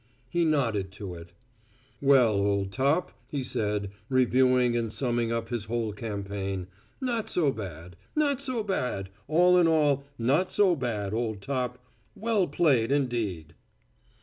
He nodded to it. "Well, old top," he said, reviewing and summing up his whole campaign, "not so bad. Not so bad, all in all; not so bad, old top. Well played indeed!"